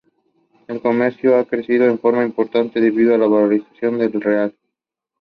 Argentina participated in all the editions of the competition.